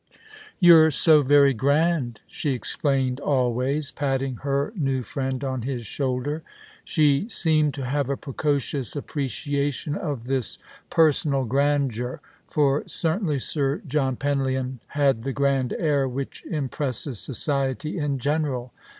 " You're so very grand," she explained always, patting her new friend on his shoulder. She seemed to have a precocious appreciation of this personal grandeur, for certainly Sir John Penlyon had the grand air which impresses society in general.